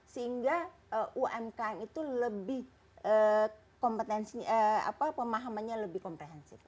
sehingga umkm itu lebih kompetensi pemahamannya lebih komprehensif